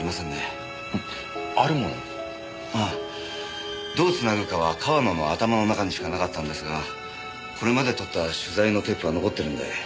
ああどうつなぐかは川野の頭の中にしかなかったんですがこれまで撮った取材のテープは残ってるんで。